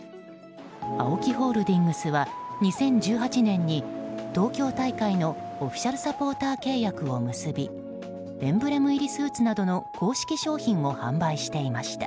ＡＯＫＩホールディングスは２０１８年に東京大会のオフィシャルサポーター契約を結びエンブレムスーツなどの公式商品を販売していました。